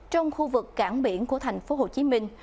trong khu vực cảng biển của thành phố hồ chí minh